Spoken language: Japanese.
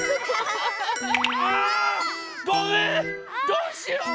どうしよう？